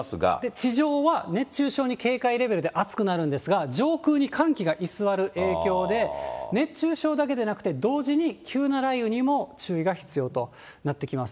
地上は熱中症に警戒レベルで、暑くなるんですが、上空に寒気が居座る影響で、熱中症だけでなくて、同時に急な雷雨にも注意が必要となってきます。